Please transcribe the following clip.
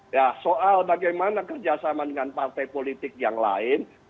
ya soal bagaimana kerjasama dengan partai politik yang lain